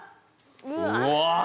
うわ！